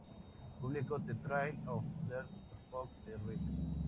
Publicó "The Trial of Dr. Spock, the Rev.